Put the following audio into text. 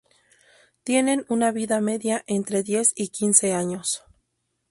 Tienen una vida media entre diez y quince años.